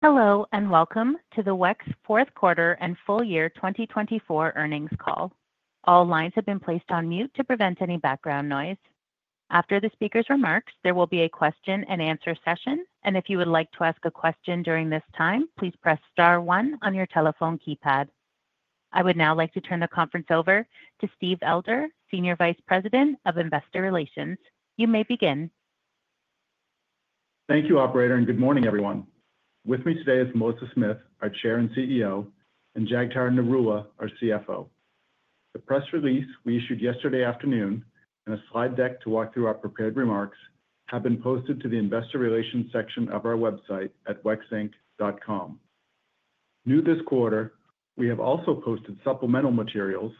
Hello and welcome to the WEX Fourth Quarter and Full Year 2024 earnings call. All lines have been placed on mute to prevent any background noise. After the speaker's remarks, there will be a question-and-answer session, and if you would like to ask a question during this time, please press star one on your telephone keypad. I would now like to turn the conference over to Steve Elder, Senior Vice President of Investor Relations. You may begin. Thank you, Operator, and good morning, everyone. With me today is Melissa Smith, our Chair and CEO; and Jagtar Narula, our CFO. The press release we issued yesterday afternoon and a slide deck to walk through our prepared remarks have been posted to the Investor Relations section of our website at wexinc.com. New this quarter, we have also posted supplemental materials,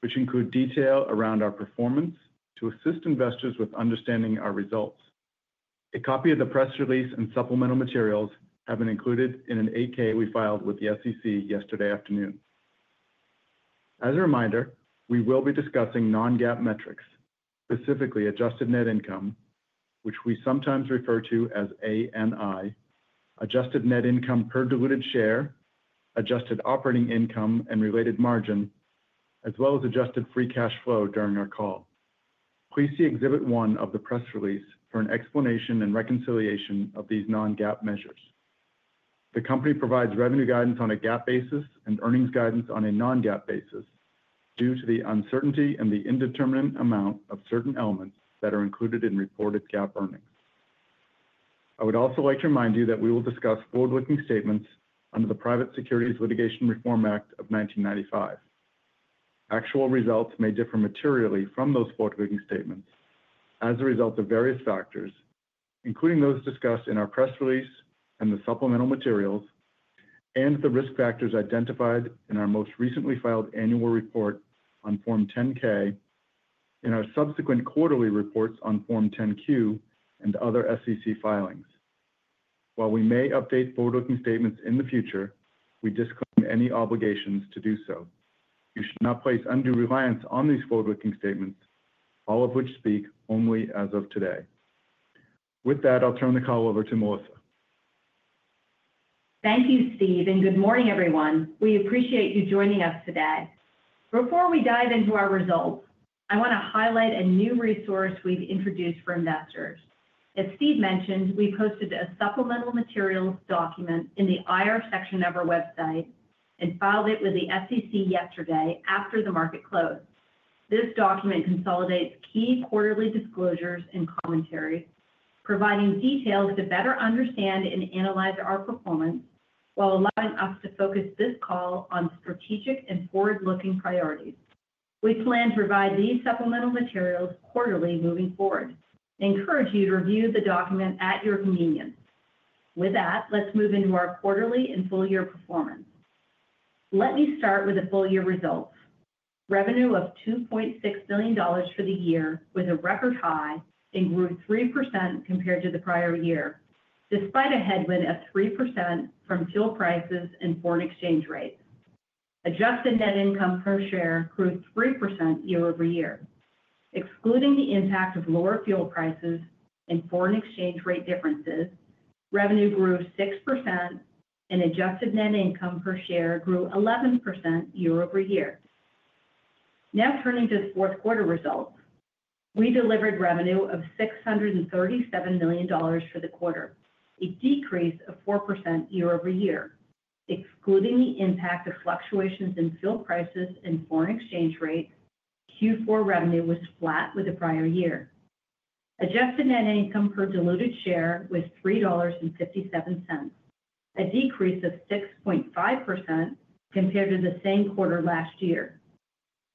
which include detail around our performance to assist investors with understanding our results. A copy of the press release and supplemental materials have been included in an 8-K we filed with the SEC yesterday afternoon. As a reminder, we will be discussing Non-GAAP metrics, specifically adjusted net income, which we sometimes refer to as ANI, adjusted net income per diluted share, adjusted operating income and related margin, as well as adjusted free cash flow during our call. Please see Exhibit 1 of the press release for an explanation and reconciliation of these non-GAAP measures. The company provides revenue guidance on a GAAP basis and earnings guidance on a non-GAAP basis due to the uncertainty and the indeterminate amount of certain elements that are included in reported GAAP earnings. I would also like to remind you that we will discuss forward-looking statements under the Private Securities Litigation Reform Act of 1995. Actual results may differ materially from those forward-looking statements as a result of various factors, including those discussed in our press release and the supplemental materials, and the risk factors identified in our most recently filed annual report on Form 10-K, in our subsequent quarterly reports on Form 10-Q, and other SEC filings. While we may update forward-looking statements in the future, we disclaim any obligations to do so. You should not place undue reliance on these forward-looking statements, all of which speak only as of today. With that, I'll turn the call over to Melissa. Thank you, Steve, and good morning, everyone. We appreciate you joining us today. Before we dive into our results, I want to highlight a new resource we've introduced for investors. As Steve mentioned, we posted a supplemental materials document in the IR section of our website and filed it with the SEC yesterday after the market closed. This document consolidates key quarterly disclosures and commentary, providing details to better understand and analyze our performance while allowing us to focus this call on strategic and forward-looking priorities. We plan to provide these supplemental materials quarterly moving forward. I encourage you to review the document at your convenience. With that, let's move into our quarterly and full-year performance. Let me start with the full-year results. Revenue of $2.6 billion for the year was a record high and grew 3% compared to the prior year, despite a headwind of 3% from fuel prices and foreign exchange rates. Adjusted net income per share grew 3% year-over-year. Excluding the impact of lower fuel prices and foreign exchange rate differences, revenue grew 6%, and adjusted net income per share grew 11% year-over-year. Now turning to the fourth quarter results, we delivered revenue of $637 million for the quarter, a decrease of 4% year-over-year. Excluding the impact of fluctuations in fuel prices and foreign exchange rates, Q4 revenue was flat with the prior year. Adjusted net income per diluted share was $3.57, a decrease of 6.5% compared to the same quarter last year.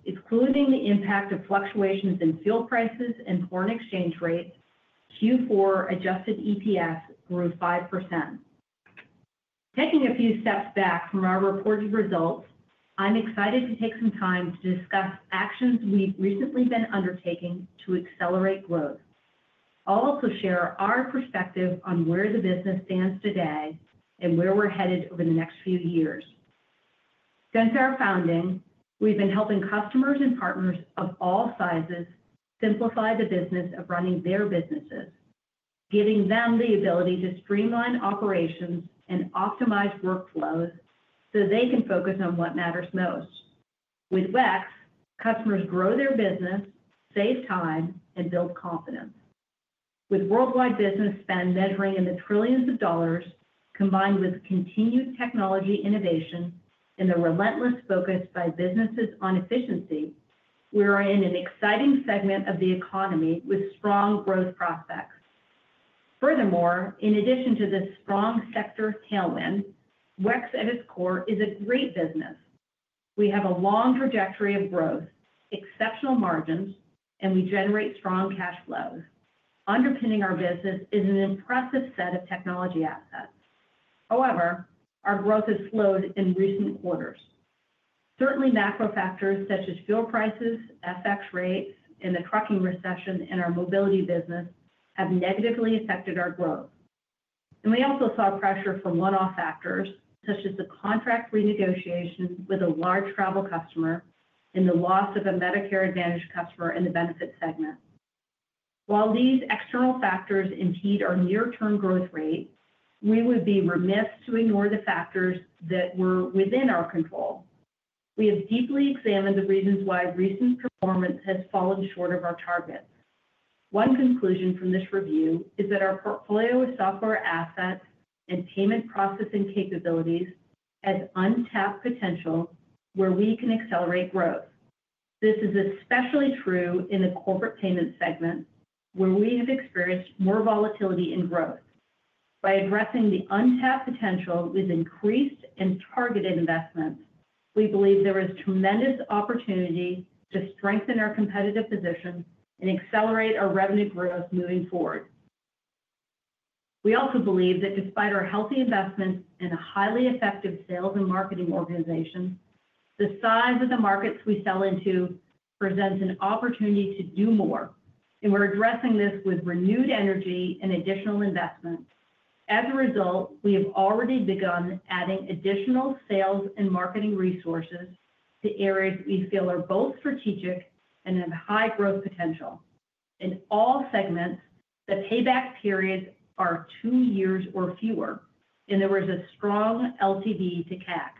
Excluding the impact of fluctuations in fuel prices and foreign exchange rates, Q4 adjusted EPS grew 5%. Taking a few steps back from our reported results, I'm excited to take some time to discuss actions we've recently been undertaking to accelerate growth. I'll also share our perspective on where the business stands today and where we're headed over the next few years. Since our founding, we've been helping customers and partners of all sizes simplify the business of running their businesses, giving them the ability to streamline operations and optimize workflows so they can focus on what matters most. With WEX, customers grow their business, save time, and build confidence. With worldwide business spend measuring in the trillions of dollars, combined with continued technology innovation and the relentless focus by businesses on efficiency, we are in an exciting segment of the economy with strong growth prospects. Furthermore, in addition to this strong sector tailwind, WEX at its core is a great business. We have a long trajectory of growth, exceptional margins, and we generate strong cash flows. Underpinning our business is an impressive set of technology assets. However, our growth has slowed in recent quarters. Certainly, macro factors such as fuel prices, FX rates, and the trucking recession in our Mobility business have negatively affected our growth. And we also saw pressure from one-off factors such as the contract renegotiation with a large travel customer and the loss of a Medicare Advantage customer in the Benefits segment. While these external factors impede our near-term growth rate, we would be remiss to ignore the factors that were within our control. We have deeply examined the reasons why recent performance has fallen short of our targets. One conclusion from this review is that our portfolio of software assets and payment processing capabilities has untapped potential where we can accelerate growth. This is especially true in the Corporate Payments segment, where we have experienced more volatility in growth. By addressing the untapped potential with increased and targeted investments, we believe there is tremendous opportunity to strengthen our competitive position and accelerate our revenue growth moving forward. We also believe that despite our healthy investments and a highly effective sales and marketing organization, the size of the markets we sell into presents an opportunity to do more, and we're addressing this with renewed energy and additional investment. As a result, we have already begun adding additional sales and marketing resources to areas we feel are both strategic and have high growth potential. In all segments, the payback periods are two years or fewer, and there is a strong LTV to CAC.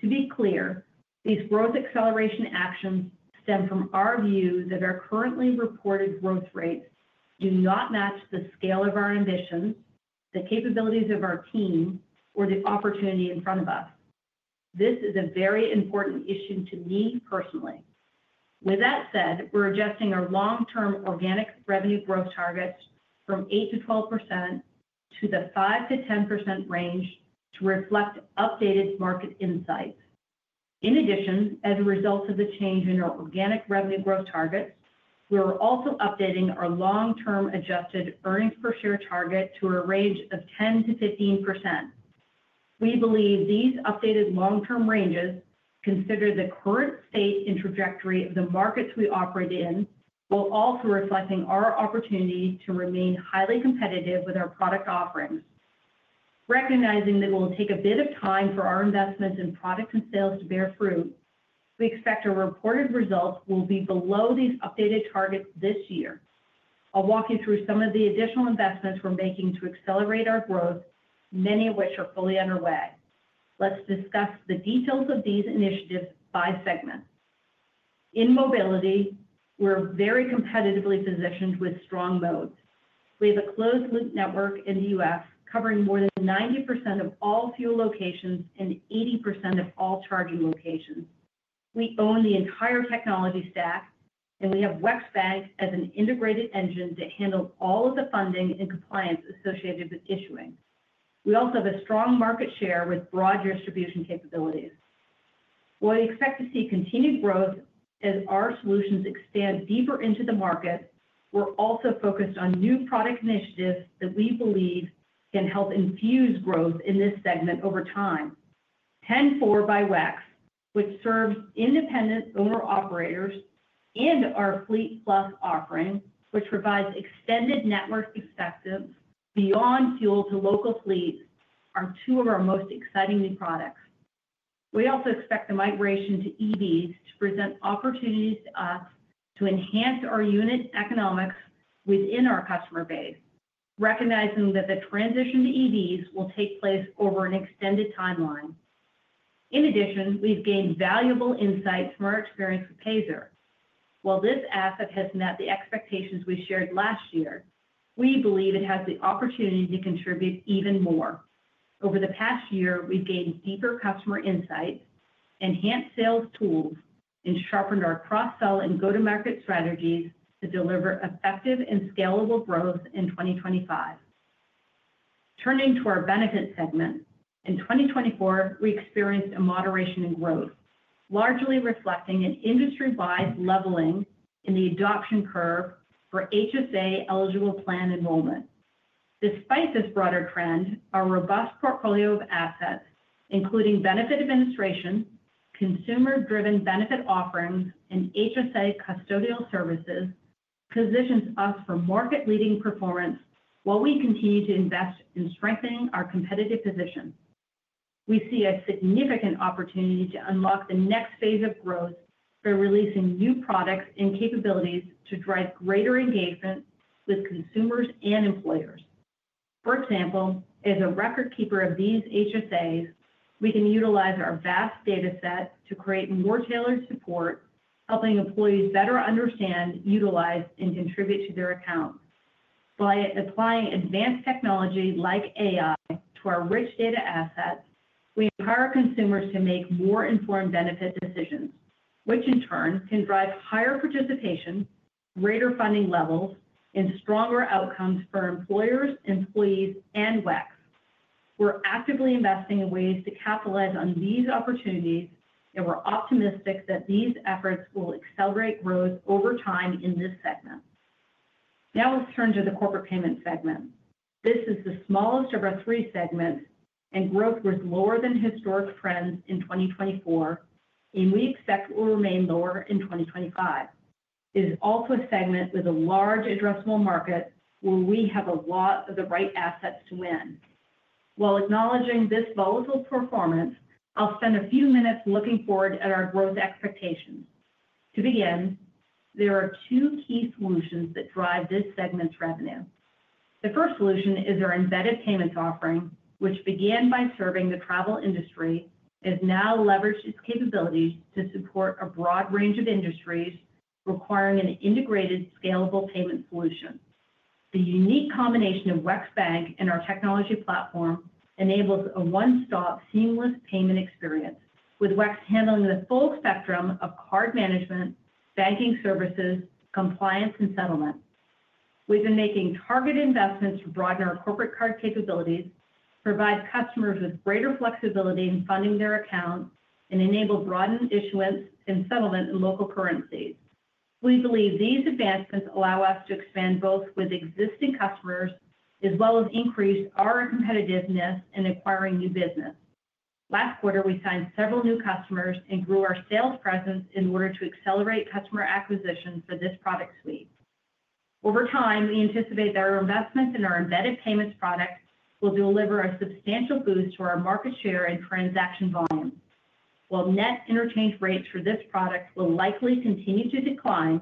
To be clear, these growth acceleration actions stem from our view that our currently reported growth rates do not match the scale of our ambitions, the capabilities of our team, or the opportunity in front of us. This is a very important issue to me personally. With that said, we're adjusting our long-term organic revenue growth targets from 8%-12% to the 5%-10% range to reflect updated market insights. In addition, as a result of the change in our organic revenue growth targets, we are also updating our long-term adjusted earnings per share target to a range of 10%-15%. We believe these updated long-term ranges consider the current state and trajectory of the markets we operate in, while also reflecting our opportunity to remain highly competitive with our product offerings. Recognizing that it will take a bit of time for our investments in product and sales to bear fruit, we expect our reported results will be below these updated targets this year. I'll walk you through some of the additional investments we're making to accelerate our growth, many of which are fully underway. Let's discuss the details of these initiatives by segment. In Mobility, we're very competitively positioned with strong moats. We have a closed-loop network in the U.S. covering more than 90% of all fuel locations and 80% of all charging locations. We own the entire technology stack, and we have WEX Bank as an integrated engine to handle all of the funding and compliance associated with issuing. We also have a strong market share with broad distribution capabilities. While we expect to see continued growth as our solutions expand deeper into the market, we're also focused on new product initiatives that we believe can help infuse growth in this segment over time. 10-4 by WEX, which serves independent owner-operators, and our Fleet Plus offering, which provides extended network access beyond fuel to local fleets, are two of our most exciting new products. We also expect the migration to EVs to present opportunities to us to enhance our unit economics within our customer base, recognizing that the transition to EVs will take place over an extended timeline. In addition, we've gained valuable insights from our experience with Payzer. While this asset has met the expectations we shared last year, we believe it has the opportunity to contribute even more. Over the past year, we've gained deeper customer insights, enhanced sales tools, and sharpened our cross-sell and go-to-market strategies to deliver effective and scalable growth in 2025. Turning to our Benefits segment, in 2024, we experienced a moderation in growth, largely reflecting an industry-wide leveling in the adoption curve for HSA-eligible plan enrollment. Despite this broader trend, our robust portfolio of assets, including benefit administration, consumer-driven benefit offerings, and HSA custodial services, positions us for market-leading performance while we continue to invest in strengthening our competitive position. We see a significant opportunity to unlock the next phase of growth by releasing new products and capabilities to drive greater engagement with consumers and employers. For example, as a record keeper of these HSAs, we can utilize our vast dataset to create more tailored support, helping employees better understand, utilize, and contribute to their accounts. By applying advanced technology like AI to our rich data assets, we empower consumers to make more informed benefit decisions, which in turn can drive higher participation, greater funding levels, and stronger outcomes for employers, employees, and WEX. We're actively investing in ways to capitalize on these opportunities, and we're optimistic that these efforts will accelerate growth over time in this segment. Now let's turn to the Corporate Payments segment. This is the smallest of our three segments, and growth was lower than historic trends in 2024, and we expect it will remain lower in 2025. It is also a segment with a large addressable market where we have a lot of the right assets to win. While acknowledging this volatile performance, I'll spend a few minutes looking forward at our growth expectations. To begin, there are two key solutions that drive this segment's revenue. The first solution is our Embedded Payments offering, which began by serving the travel industry and has now leveraged its capabilities to support a broad range of industries requiring an integrated, scalable payment solution. The unique combination of WEX Bank and our technology platform enables a one-stop, seamless payment experience, with WEX handling the full spectrum of card management, banking services, compliance, and settlement. We've been making targeted investments to broaden our corporate card capabilities, provide customers with greater flexibility in funding their accounts, and enable broadened issuance and settlement in local currencies. We believe these advancements allow us to expand both with existing customers as well as increase our competitiveness in acquiring new business. Last quarter, we signed several new customers and grew our sales presence in order to accelerate customer acquisition for this product suite. Over time, we anticipate that our investments in our embedded payments product will deliver a substantial boost to our market share and transaction volumes. While net interchange rates for this product will likely continue to decline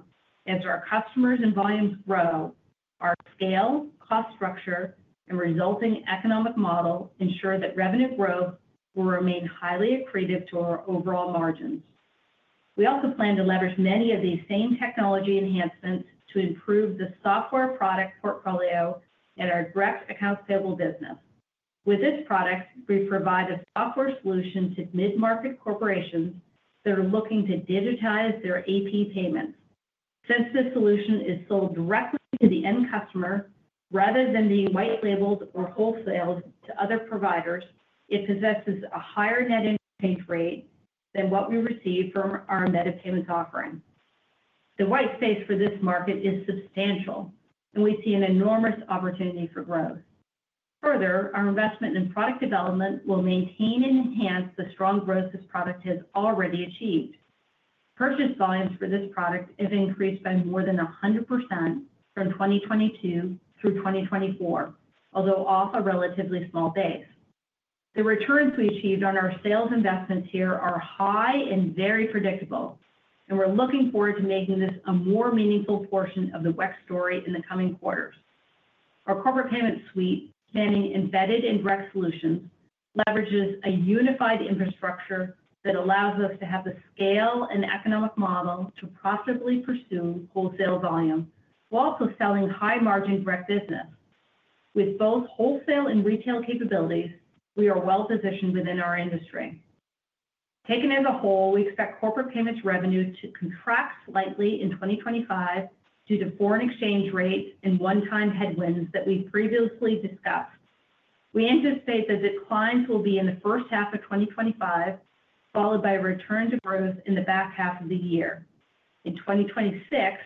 as our customers and volumes grow, our scale, cost structure, and resulting economic model ensure that revenue growth will remain highly accretive to our overall margins. We also plan to leverage many of these same technology enhancements to improve the software product portfolio and our direct accounts payable business. With this product, we provide a software solution to mid-market corporations that are looking to digitize their AP payments. Since this solution is sold directly to the end customer rather than being white-labeled or wholesaled to other providers, it possesses a higher net interchange rate than what we receive from our Embedded Payments offering. The white space for this market is substantial, and we see an enormous opportunity for growth. Further, our investment in product development will maintain and enhance the strong growth this product has already achieved. Purchase volumes for this product have increased by more than 100% from 2022 through 2024, although off a relatively small base. The returns we achieved on our sales investments here are high and very predictable, and we're looking forward to making this a more meaningful portion of the WEX story in the coming quarters. Our Corporate Payments suite, spanning embedded and direct solutions, leverages a unified infrastructure that allows us to have the scale and economic model to profitably pursue wholesale volume while also selling high-margin direct business. With both wholesale and retail capabilities, we are well-positioned within our industry. Taken as a whole, we expect Corporate Payments revenue to contract slightly in 2025 due to foreign exchange rates and one-time headwinds that we've previously discussed. We anticipate that declines will be in the first half of 2025, followed by return to growth in the back half of the year. In 2026,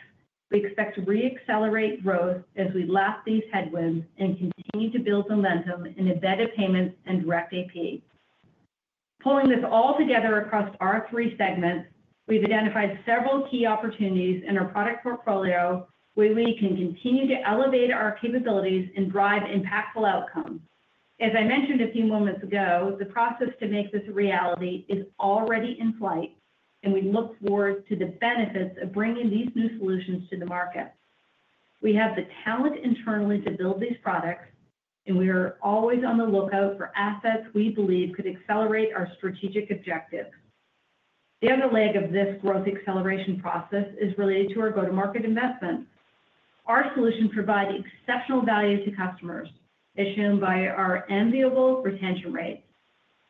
we expect to re-accelerate growth as we lap these headwinds and continue to build momentum in Embedded Payments and Direct AP. Pulling this all together across our three segments, we've identified several key opportunities in our product portfolio where we can continue to elevate our capabilities and drive impactful outcomes. As I mentioned a few moments ago, the process to make this a reality is already in flight, and we look forward to the benefits of bringing these new solutions to the market. We have the talent internally to build these products, and we are always on the lookout for assets we believe could accelerate our strategic objectives. The other leg of this growth acceleration process is related to our go-to-market investments. Our solutions provide exceptional value to customers, as shown by our enviable retention rates.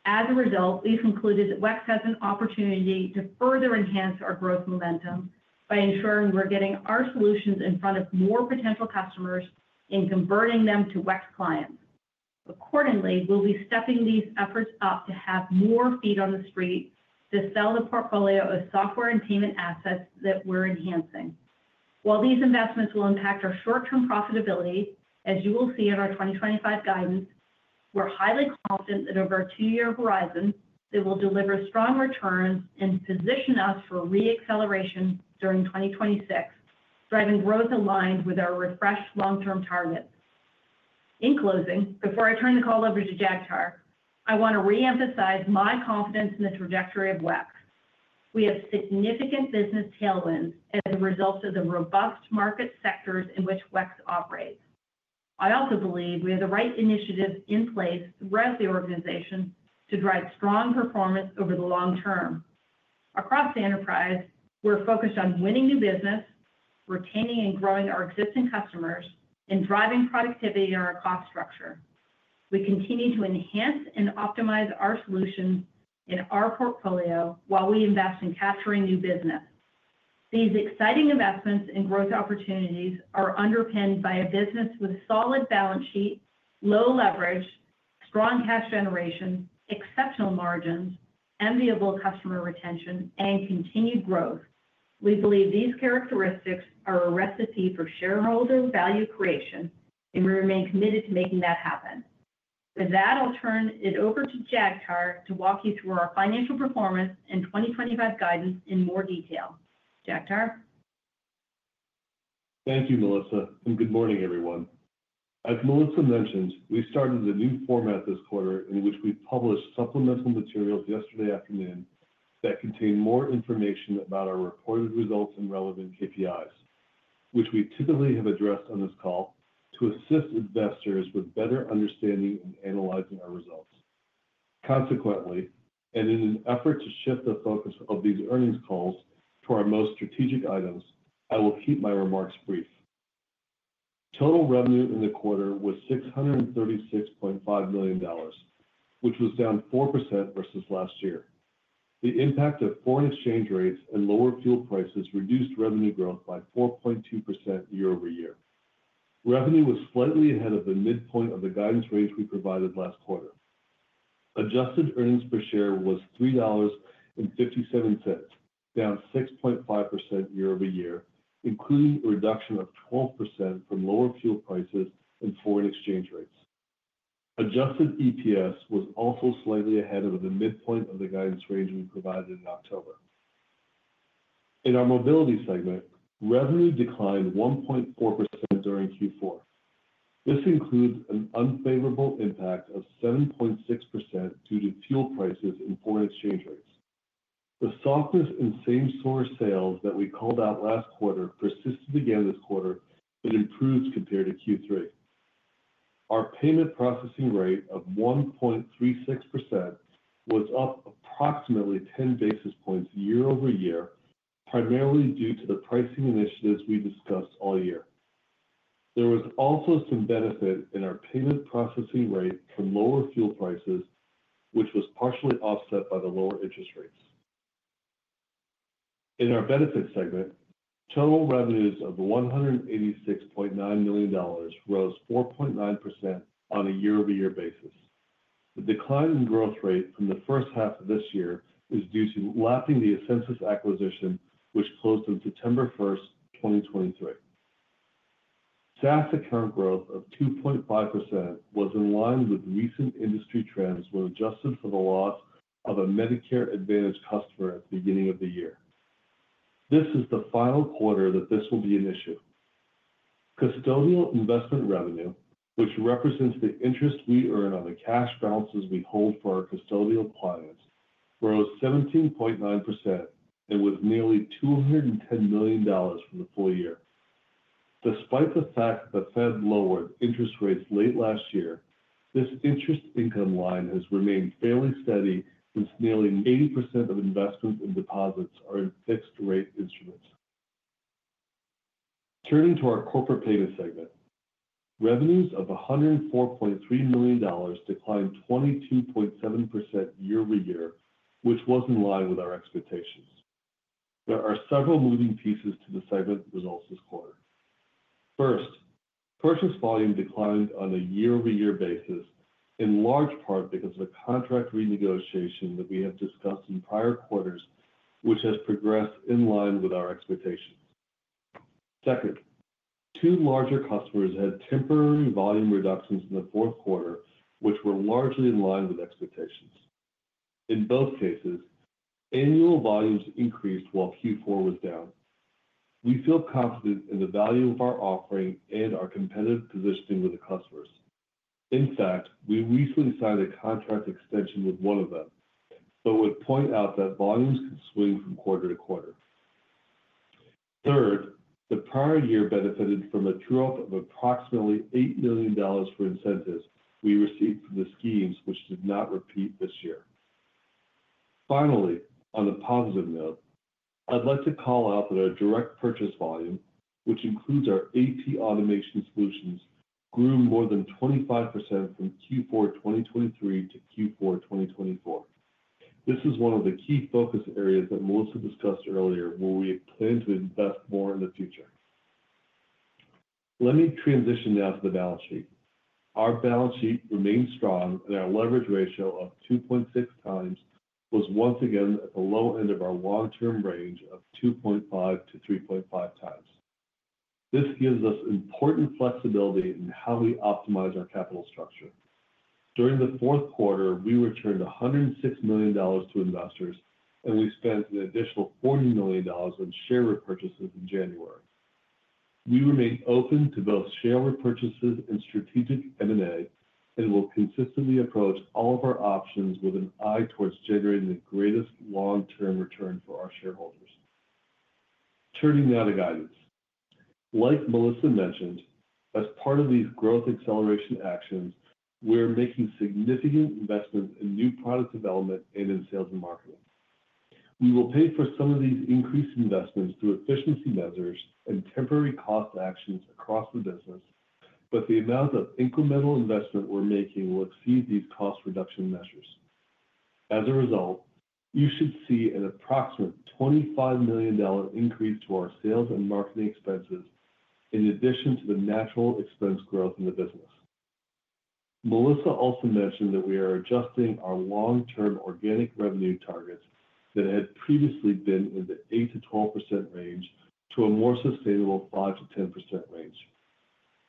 As a result, we've concluded that WEX has an opportunity to further enhance our growth momentum by ensuring we're getting our solutions in front of more potential customers and converting them to WEX clients. Accordingly, we'll be stepping these efforts up to have more feet on the street to sell the portfolio of software and payment assets that we're enhancing. While these investments will impact our short-term profitability, as you will see in our 2025 guidance, we're highly confident that over a two-year horizon, it will deliver strong returns and position us for re-acceleration during 2026, driving growth aligned with our refreshed long-term targets. In closing, before I turn the call over to Jagtar, I want to re-emphasize my confidence in the trajectory of WEX. We have significant business tailwinds as a result of the robust market sectors in which WEX operates. I also believe we have the right initiatives in place throughout the organization to drive strong performance over the long term. Across the enterprise, we're focused on winning new business, retaining and growing our existing customers, and driving productivity in our cost structure. We continue to enhance and optimize our solutions in our portfolio while we invest in capturing new business. These exciting investments and growth opportunities are underpinned by a business with a solid balance sheet, low leverage, strong cash generation, exceptional margins, enviable customer retention, and continued growth. We believe these characteristics are a recipe for shareholder value creation, and we remain committed to making that happen. With that, I'll turn it over to Jagtar to walk you through our financial performance and 2025 guidance in more detail. Jagtar? Thank you, Melissa, and good morning, everyone. As Melissa mentioned, we started a new format this quarter in which we published supplemental materials yesterday afternoon that contain more information about our reported results and relevant KPIs, which we typically have addressed on this call to assist investors with better understanding and analyzing our results. Consequently, and in an effort to shift the focus of these earnings calls to our most strategic items, I will keep my remarks brief. Total revenue in the quarter was $636.5 million, which was down 4% versus last year. The impact of foreign exchange rates and lower fuel prices reduced revenue growth by 4.2% year-over-year. Revenue was slightly ahead of the midpoint of the guidance range we provided last quarter. Adjusted earnings per share was $3.57, down 6.5% year-over-year, including a reduction of 12% from lower fuel prices and foreign exchange rates. Adjusted EPS was also slightly ahead of the midpoint of the guidance range we provided in October. In our Mobility segment, revenue declined 1.4% during Q4. This includes an unfavorable impact of 7.6% due to fuel prices and foreign exchange rates. The softness in same-store sales that we called out last quarter persisted again this quarter, but improved compared to Q3. Our payment processing rate of 1.36% was up approximately 10 basis points year-over-year, primarily due to the pricing initiatives we discussed all year. There was also some benefit in our payment processing rate from lower fuel prices, which was partially offset by the lower interest rates. In our Benefits segment, total revenues of $186.9 million rose 4.9% on a year-over-year basis. The decline in growth rate from the first half of this year is due to lapping the Ascensus acquisition, which closed on September 1st, 2023. SaaS account growth of 2.5% was in line with recent industry trends when adjusted for the loss of a Medicare Advantage customer at the beginning of the year. This is the final quarter that this will be an issue. Custodial investment revenue, which represents the interest we earn on the cash balances we hold for our custodial clients, rose 17.9% and was nearly $210 million for the full year. Despite the fact that the Fed lowered interest rates late last year, this interest income line has remained fairly steady since nearly 80% of investments and deposits are in fixed-rate instruments. Turning to our Corporate Payments segment, revenues of $104.3 million declined 22.7% year-over-year, which was in line with our expectations. There are several moving pieces to the segment results this quarter. First, purchase volume declined on a year-over-year basis, in large part because of the contract renegotiation that we have discussed in prior quarters, which has progressed in line with our expectations. Second, two larger customers had temporary volume reductions in the fourth quarter, which were largely in line with expectations. In both cases, annual volumes increased while Q4 was down. We feel confident in the value of our offering and our competitive positioning with the customers. In fact, we recently signed a contract extension with one of them, but would point out that volumes can swing from quarter-to-quarter. Third, the prior year benefited from a trade-up of approximately $8 million for incentives we received from the schemes, which did not repeat this year. Finally, on a positive note, I'd like to call out that our direct purchase volume, which includes our AP automation solutions, grew more than 25% from Q4 2023 to Q4 2024. This is one of the key focus areas that Melissa discussed earlier where we plan to invest more in the future. Let me transition now to the balance sheet. Our balance sheet remains strong, and our leverage ratio of 2.6x was once again at the low end of our long-term range of 2.5-3.5x. This gives us important flexibility in how we optimize our capital structure. During the fourth quarter, we returned $106 million to investors, and we spent an additional $40 million on share repurchases in January. We remain open to both share repurchases and strategic M&A, and we'll consistently approach all of our options with an eye towards generating the greatest long-term return for our shareholders. Turning now to guidance. Like Melissa mentioned, as part of these growth acceleration actions, we're making significant investments in new product development and in sales and marketing. We will pay for some of these increased investments through efficiency measures and temporary cost actions across the business, but the amount of incremental investment we're making will exceed these cost reduction measures. As a result, you should see an approximate $25 million increase to our sales and marketing expenses in addition to the natural expense growth in the business. Melissa also mentioned that we are adjusting our long-term organic revenue targets that had previously been in the 8%-12% range to a more sustainable 5%-10% range.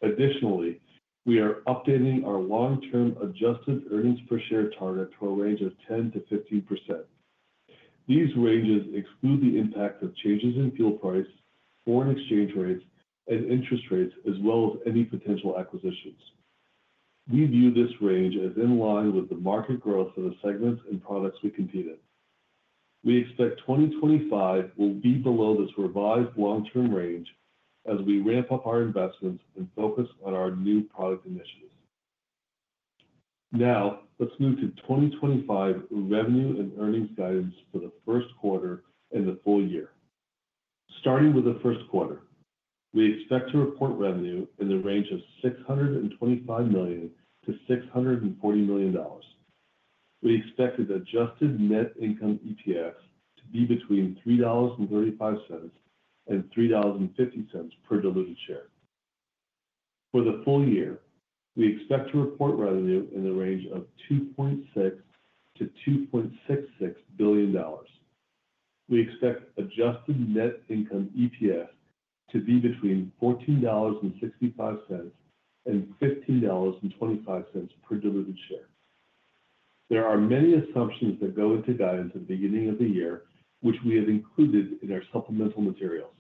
Additionally, we are updating our long-term adjusted earnings per share target to a range of 10%-15%. These ranges exclude the impact of changes in fuel price, foreign exchange rates, and interest rates, as well as any potential acquisitions. We view this range as in line with the market growth of the segments and products we competed with. We expect 2025 will be below this revised long-term range as we ramp up our investments and focus on our new product initiatives. Now, let's move to 2025 revenue and earnings guidance for the first quarter and the full year. Starting with the first quarter, we expect to report revenue in the range of $625 million-$640 million. We expect an adjusted net income EPS to be between $3.35 and $3.50 per diluted share. For the full year, we expect to report revenue in the range of $2.6-$2.66 billion. We expect adjusted net income EPS to be between $14.65 and $15.25 per diluted share. There are many assumptions that go into guidance at the beginning of the year, which we have included in our supplemental materials.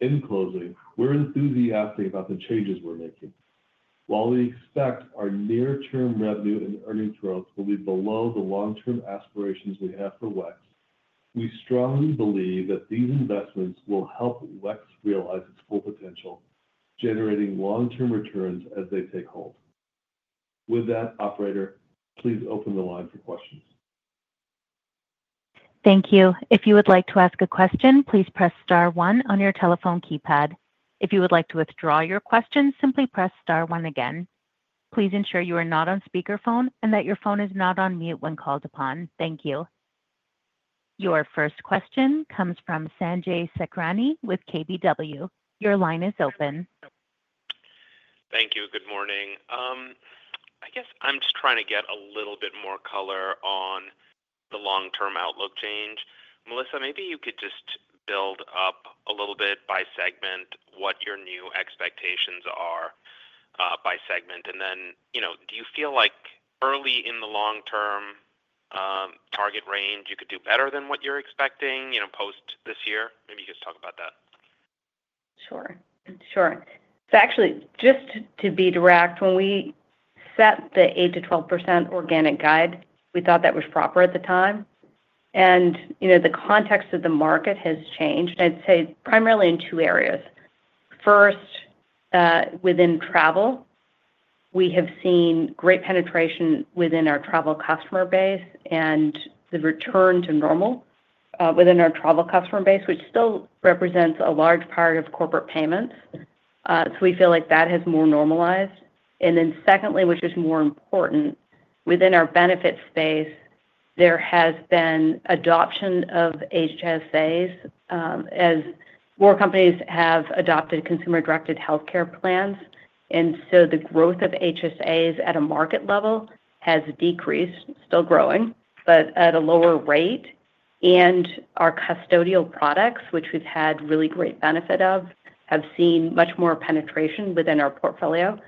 In closing, we're enthusiastic about the changes we're making. While we expect our near-term revenue and earnings growth will be below the long-term aspirations we have for WEX, we strongly believe that these investments will help WEX realize its full potential, generating long-term returns as they take hold. With that, Operator, please open the line for questions. Thank you. If you would like to ask a question, please press star one on your telephone keypad. If you would like to withdraw your question, simply press star one again. Please ensure you are not on speakerphone and that your phone is not on mute when called upon. Thank you. Your first question comes from Sanjay Sakhrani with KBW. Your line is open. Thank you. Good morning. I guess I'm just trying to get a little bit more color on the long-term outlook change. Melissa, maybe you could just build up a little bit by segment what your new expectations are by segment. And then, do you feel like early in the long-term target range you could do better than what you're expecting post this year? Maybe you could just talk about that. Sure. Sure. So actually, just to be direct, when we set the 8%-12% organic guide, we thought that was proper at the time. And the context of the market has changed, I'd say, primarily in two areas. First, within travel, we have seen great penetration within our travel customer base and the return to normal within our travel customer base, which still represents a large part of Corporate Payments. So we feel like that has more normalized. And then secondly, which is more important, within our benefits space, there has been adoption of HSAs as more companies have adopted consumer-directed healthcare plans. And so the growth of HSAs at a market level has decreased, still growing, but at a lower rate. And our custodial products, which we've had really great benefit of, have seen much more penetration within our portfolio.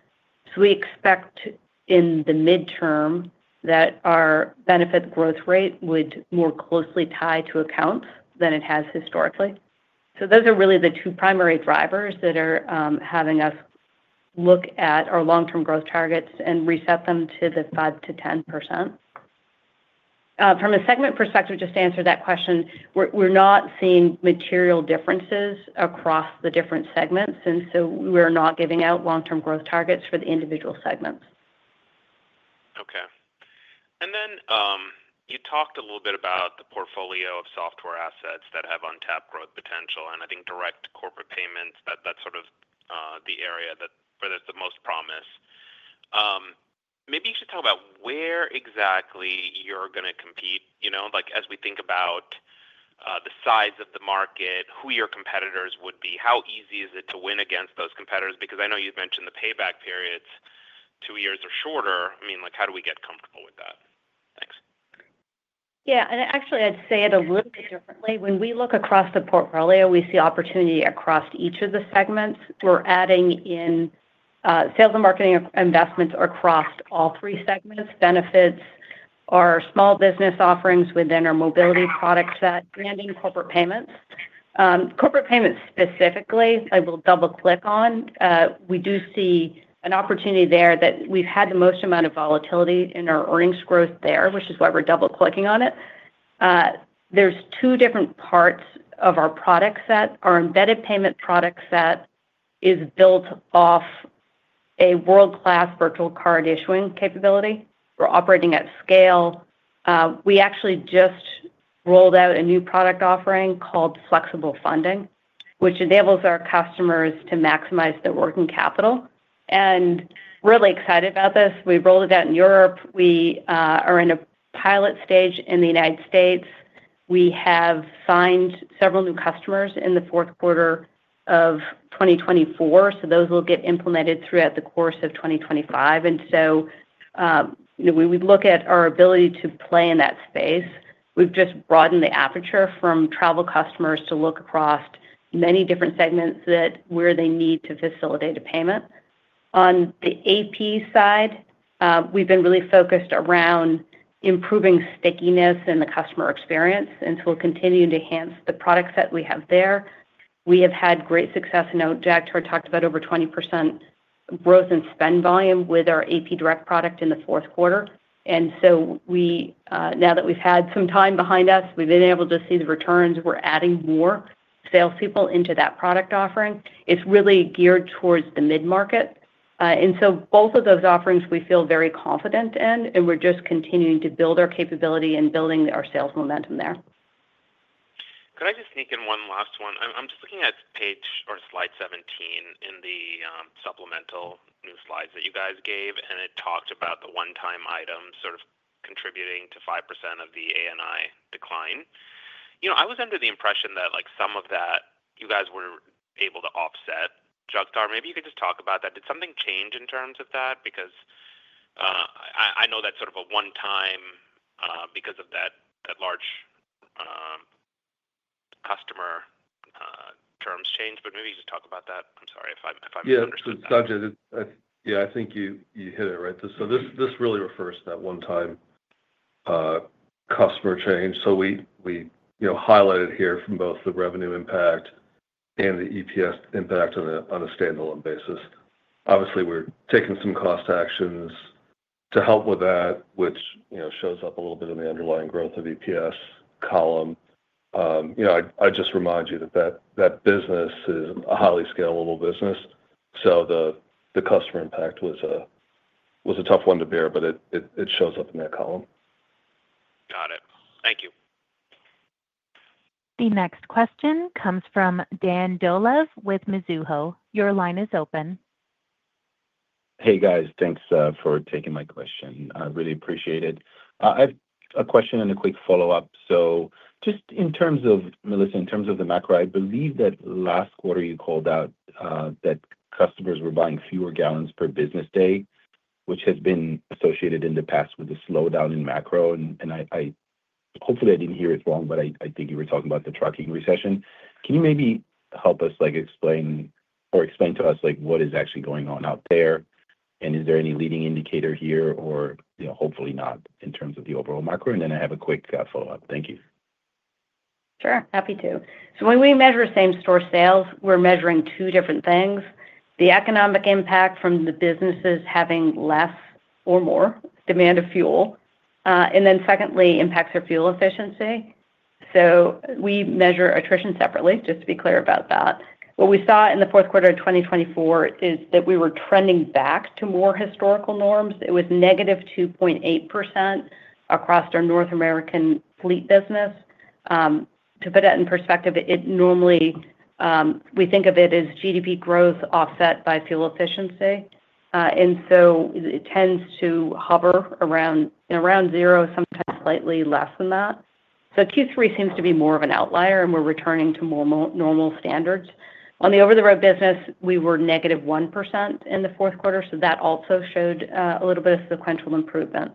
So we expect in the midterm that our benefit growth rate would more closely tie to accounts than it has historically. So those are really the two primary drivers that are having us look at our long-term growth targets and reset them to the 5-10%. From a segment perspective, just to answer that question, we're not seeing material differences across the different segments, and so we're not giving out long-term growth targets for the individual segments. Okay. And then you talked a little bit about the portfolio of software assets that have untapped growth potential, and I think direct Corporate Payments, that's sort of the area where there's the most promise. Maybe you should talk about where exactly you're going to compete, as we think about the size of the market, who your competitors would be, how easy is it to win against those competitors? Because I know you've mentioned the payback periods, two years or shorter. I mean, how do we get comfortable with that? Thanks. Yeah. And actually, I'd say it a little bit differently. When we look across the portfolio, we see opportunity across each of the segments. We're adding in sales and marketing investments across all three segments of benefits are small business offerings within our Mobility product set and in Corporate Payments. Corporate Payments specifically, I will double-click on. We do see an opportunity there that we've had the most amount of volatility in our earnings growth there, which is why we're double-clicking on it. There's two different parts of our product set. Our embedded payment product set is built off a world-class virtual card issuing capability. We're operating at scale. We actually just rolled out a new product offering called Flexible Funding, which enables our customers to maximize their working capital, and really excited about this. We rolled it out in Europe. We are in a pilot stage in the United States. We have signed several new customers in the fourth quarter of 2024, so those will get implemented throughout the course of 2025, and so we look at our ability to play in that space. We've just broadened the aperture from travel customers to look across many different segments where they need to facilitate a payment. On the AP side, we've been really focused around improving stickiness and the customer experience, and so we'll continue to enhance the product set we have there. We have had great success, as Jagtar talked about, over 20% growth in spend volume with our AP Direct product in the fourth quarter. And so now that we've had some time behind us, we've been able to see the returns. We're adding more salespeople into that product offering. It's really geared towards the mid-market. And so both of those offerings, we feel very confident in, and we're just continuing to build our capability and building our sales momentum there. Could I just sneak in one last one? I'm just looking at page or slide 17 in the supplemental new slides that you guys gave, and it talked about the one-time items sort of contributing to 5% of the ANI decline. I was under the impression that some of that you guys were able to offset. Jagtar, maybe you could just talk about that. Did something change in terms of that? Because I know that's sort of a one-time because of that large customer terms change, but maybe you just talk about that. I'm sorry if I misunderstood that. Yeah. Yeah. I think you hit it right. So this really refers to that one-time customer change. So we highlighted here from both the revenue impact and the EPS impact on a standalone basis. Obviously, we're taking some cost actions to help with that, which shows up a little bit in the underlying growth of EPS column. I'd just remind you that that business is a highly scalable business, so the customer impact was a tough one to bear, but it shows up in that column. Got it. Thank you. The next question comes from Dan Dolev with Mizuho. Your line is open. Hey, guys. Thanks for taking my question. I really appreciate it. I have a question and a quick follow-up. So just in terms of, Melissa, in terms of the macro, I believe that last quarter you called out that customers were buying fewer gallons per business day, which has been associated in the past with a slowdown in macro. And hopefully, I didn't hear it wrong, but I think you were talking about the trucking recession. Can you maybe help us explain or explain to us what is actually going on out there, and is there any leading indicator here or hopefully not in terms of the overall macro? And then I have a quick follow-up. Thank you. Sure. Happy to. So when we measure same-store sales, we're measuring two different things. The economic impact from the businesses having less or more demand of fuel. And then secondly, impacts our fuel efficiency. So we measure attrition separately, just to be clear about that. What we saw in the fourth quarter of 2024 is that we were trending back to more historical norms. It was -2.8% across our North American fleet business. To put that in perspective, normally we think of it as GDP growth offset by fuel efficiency. And so it tends to hover around zero, sometimes slightly less than that. So Q3 seems to be more of an outlier, and we're returning to more normal standards. On the over-the-road business, we were negative 1% in the fourth quarter, so that also showed a little bit of sequential improvement.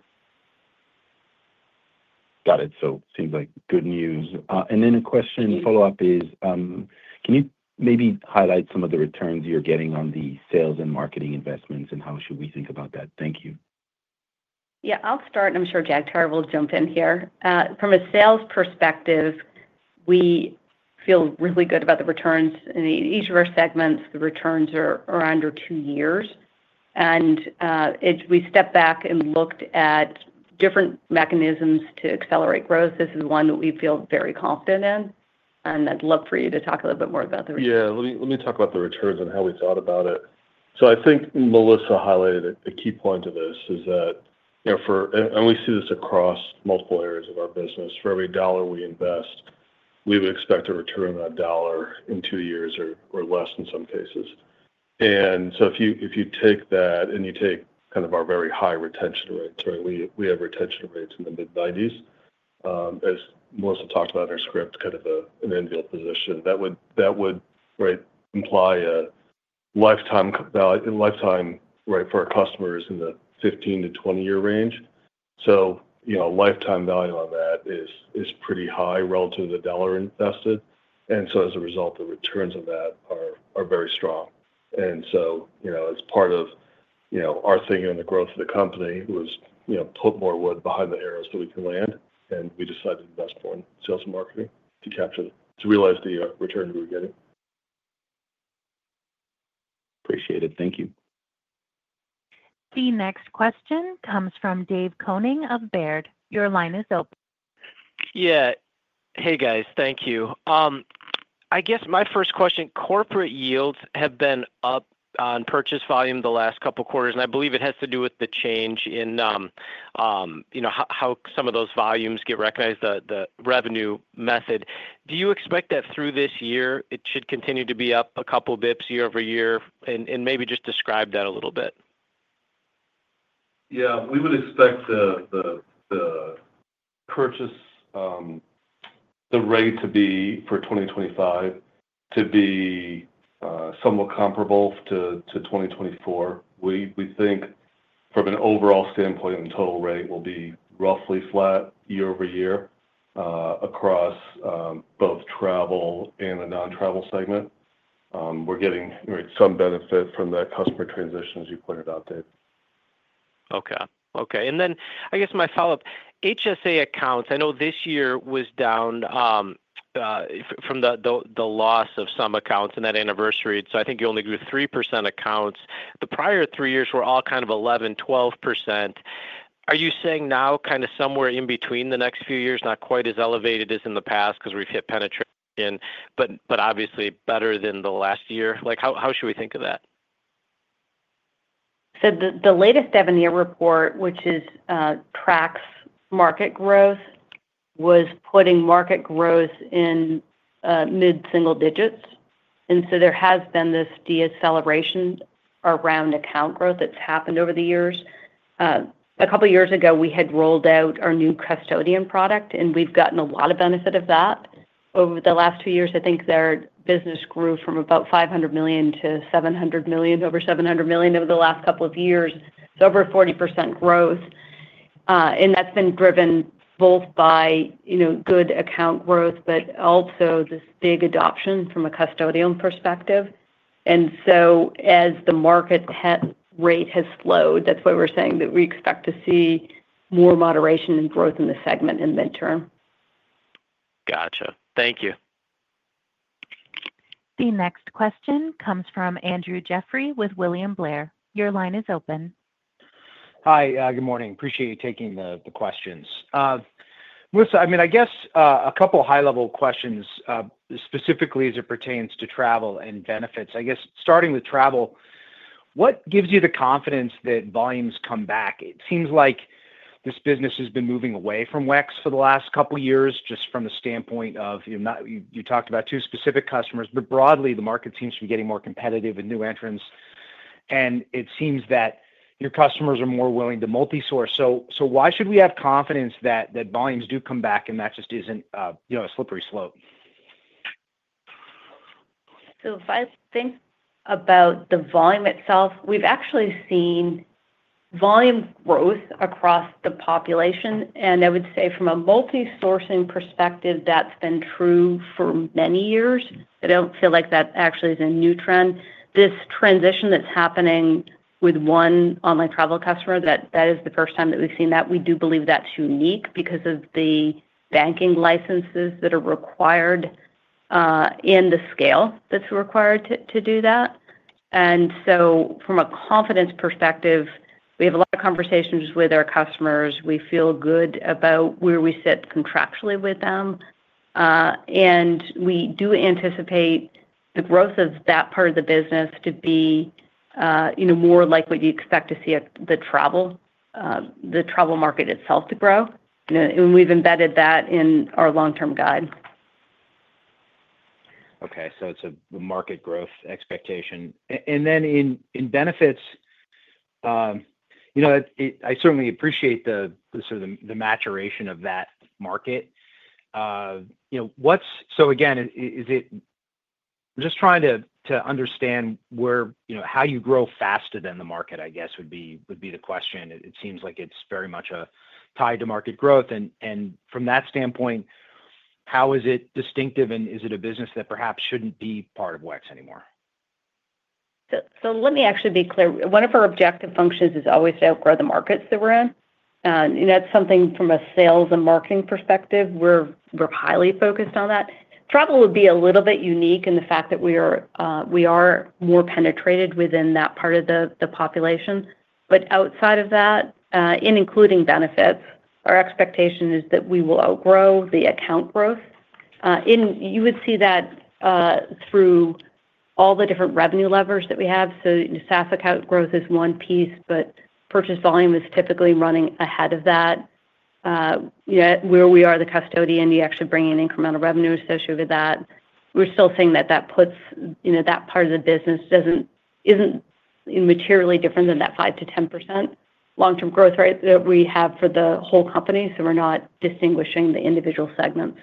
Got it. So it seems like good news. And then a question follow-up is, can you maybe highlight some of the returns you're getting on the sales and marketing investments, and how should we think about that? Thank you. Yeah. I'll start, and I'm sure Jagtar will jump in here. From a sales perspective, we feel really good about the returns. In each of our segments, the returns are around two years. And we stepped back and looked at different mechanisms to accelerate growth. This is one that we feel very confident in. And I'd love for you to talk a little bit more about the returns. Yeah. Let me talk about the returns and how we thought about it. So I think Melissa highlighted a key point of this is that, and we see this across multiple areas of our business, for every $1 we invest, we would expect a return on that $1 in two years or less in some cases. And so if you take that and you take kind of our very high retention rates, right? We have retention rates in the mid-90s, as Melissa talked about in her script, kind of an end-year position. That would imply a lifetime value for our customers in the 15-20-year range. So lifetime value on that is pretty high relative to the $1 invested. And so as a result, the returns on that are very strong. And so as part of our thing on the growth of the company, it was put more wood behind the arrow so we could land, and we decided to invest more in sales and marketing to realize the return we were getting. Appreciate it. Thank you. The next question comes from David Koning of Baird. Your line is open. Yeah. Hey, guys. Thank you. I guess my first question, corporate yields have been up on purchase volume the last couple of quarters, and I believe it has to do with the change in how some of those volumes get recognized, the revenue method. Do you expect that through this year it should continue to be up a couple of basis points year-over-year? And maybe just describe that a little bit. Yeah. We would expect the purchase rate for 2025 to be somewhat comparable to 2024. We think from an overall standpoint, the total rate will be roughly flat year-over-year across both travel and the non-travel segment. We're getting some benefit from that customer transition, as you pointed out, Dave. Okay. Okay. And then I guess my follow-up, HSA accounts, I know this year was down from the loss of some accounts in that anniversary. So I think you only grew 3% accounts. The prior three years were all kind of 11%, 12%. Are you saying now kind of somewhere in between the next few years, not quite as elevated as in the past because we've hit penetration but obviously better than the last year? How should we think of that? So the latest Devenir year report, which tracks market growth, was putting market growth in mid-single digits. And so there has been this deceleration around account growth that's happened over the years. A couple of years ago, we had rolled out our new custodian product, and we've gotten a lot of benefit of that. Over the last two years, I think their business grew from about $500 million to over $700 million over the last couple of years. So over 40% growth. And that's been driven both by good account growth, but also this big adoption from a custodian perspective. And so as the market rate has slowed, that's why we're saying that we expect to see more moderation in growth in the segment in midterm. Gotcha. Thank you. The next question comes from Andrew Jeffrey with William Blair. Your line is open. Hi. Good morning. Appreciate you taking the questions. Melissa, I mean, I guess a couple of high-level questions, specifically as it pertains to travel and benefits. I guess starting with travel, what gives you the confidence that volumes come back? It seems like this business has been moving away from WEX for the last couple of years just from the standpoint of you talked about two specific customers, but broadly, the market seems to be getting more competitive with new entrants, and it seems that your customers are more willing to multi-source. So why should we have confidence that volumes do come back and that just isn't a slippery slope? So if I think about the volume itself, we've actually seen volume growth across the population. And I would say from a multi-sourcing perspective, that's been true for many years. I don't feel like that actually is a new trend. This transition that's happening with one online travel customer, that is the first time that we've seen that. We do believe that's unique because of the banking licenses that are required and the scale that's required to do that, and so from a confidence perspective, we have a lot of conversations with our customers. We feel good about where we sit contractually with them, and we do anticipate the growth of that part of the business to be more like what you expect to see the travel market itself to grow, and we've embedded that in our long-term guide. Okay, so it's a market growth expectation, and then in benefits, I certainly appreciate the maturation of that market, so again, I'm just trying to understand how you grow faster than the market, I guess, would be the question. It seems like it's very much tied to market growth. And from that standpoint, how is it distinctive, and is it a business that perhaps shouldn't be part of WEX anymore? So let me actually be clear. One of our objective functions is always to outgrow the markets that we're in. And that's something from a sales and marketing perspective. We're highly focused on that. Travel would be a little bit unique in the fact that we are more penetrated within that part of the population. But outside of that, and including benefits, our expectation is that we will outgrow the account growth. And you would see that through all the different revenue levers that we have. So SaaS account growth is one piece, but purchase volume is typically running ahead of that. Where we are the custodian, you actually bring in incremental revenue associated with that. We're still seeing that that part of the business isn't materially different than that 5%-10% long-term growth rate that we have for the whole company. So we're not distinguishing the individual segments.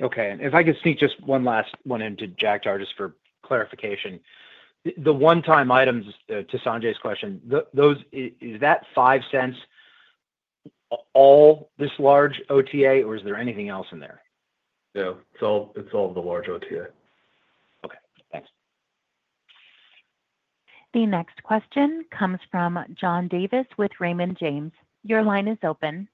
Okay. And if I could sneak just one last one into Jagtar just for clarification. The one-time items, to Sanjay's question, is that $0.05 all this large OTA, or is there anything else in there? Yeah. It's all the large OTA. Okay. Thanks. The next question comes from John Davis with Raymond James. Your line is open.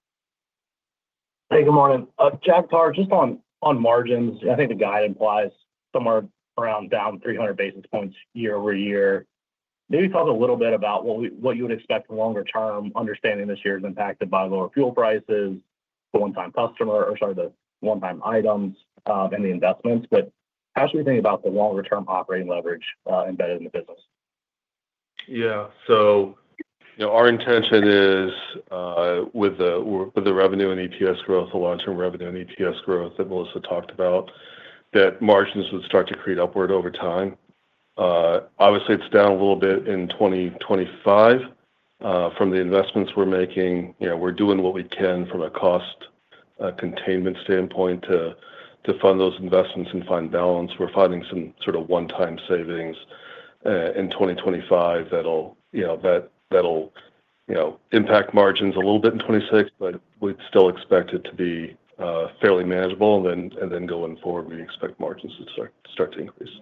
Hey, good morning. Jagtar, just on margins, I think the guide implies somewhere around down 300 basis points year-over-year. Maybe talk a little bit about what you would expect in the longer term, understanding this year's impacted by lower fuel prices, the one-time customer, or sorry, the one-time items and the investments. But how should we think about the longer-term operating leverage embedded in the business? Yeah. So our intention is with the revenue and EPS growth, the long-term revenue and EPS growth that Melissa talked about, that margins would start to create upward over time. Obviously, it's down a little bit in 2025. From the investments we're making, we're doing what we can from a cost containment standpoint to fund those investments and find balance. We're finding some sort of one-time savings in 2025 that'll impact margins a little bit in 2026, but we'd still expect it to be fairly manageable. And then going forward, we expect margins to start to increase.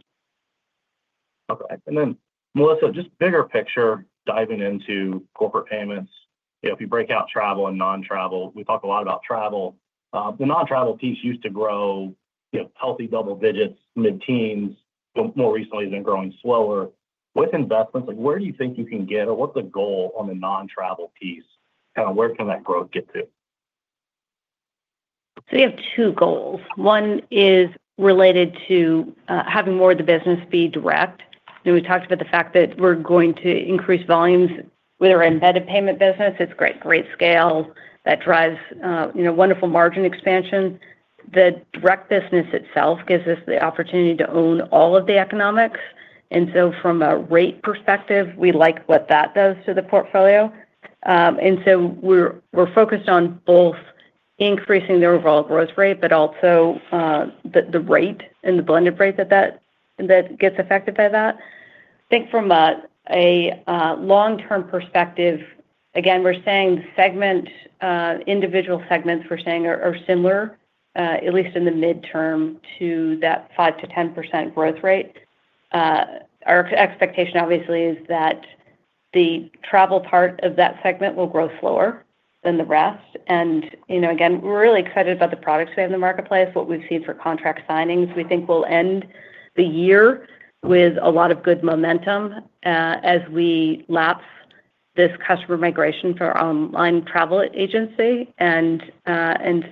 Okay. And then, Melissa, just bigger picture, diving into Corporate Payments. If you break out travel and non-travel, we talk a lot about travel. The non-travel piece used to grow healthy double digits, mid-teens, but more recently has been growing slower. With investments, where do you think you can get or what's the goal on the non-travel piece? Kind of where can that growth get to? So we have two goals. One is related to having more of the business be direct, and we talked about the fact that we're going to increase volumes with our Embedded Payment business. It's great scale that drives wonderful margin expansion. The direct business itself gives us the opportunity to own all of the economics, and so from a rate perspective, we like what that does to the portfolio, and so we're focused on both increasing the overall growth rate, but also the rate and the blended rate that gets affected by that. I think from a long-term perspective, again, we're saying individual segments we're saying are similar, at least in the midterm, to that 5%-10% growth rate. Our expectation, obviously, is that the travel part of that segment will grow slower than the rest. And again, we're really excited about the products we have in the marketplace, what we've seen for contract signings. We think we'll end the year with a lot of good momentum as we lapse this customer migration for our online travel agency. And